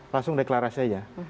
langsung deklarasi aja